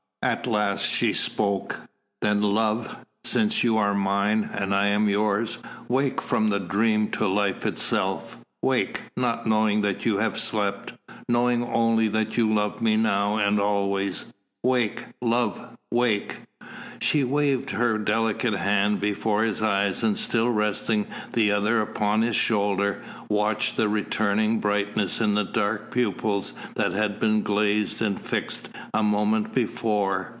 At last she spoke. "Then love, since you are mine, and I am yours, wake from the dream to life itself wake, not knowing that you have slept, knowing only that you love me now and always wake, love wake!" She waved her delicate hand before his eyes and still resting the other upon his shoulder, watched the returning brightness in the dark pupils that had been glazed and fixed a moment before.